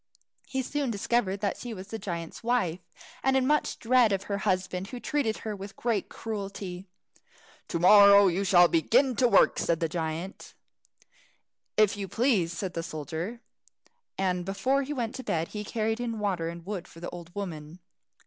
He soon discovered that she was the giant's wife, and much in dread of her husband, who treated her with great cruelty. "To morrow you shall begin to work," said the giant. "If you please," said the soldier, and before he went to bed he carried in water and wood for the old woman.